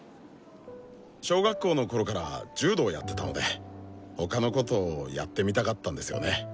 小学校のころから柔道やってたので他のことをやってみたかったんですよね。